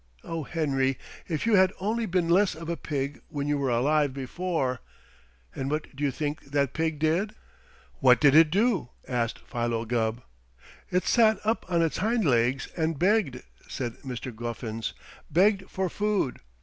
Oh, Henry, if you had only been less of a pig when you were alive before!' And what do you think that pig did?" "What did it do?" asked Philo Gubb. "It sat up on its hind legs and begged," said Mr. Guffins, "begged for food.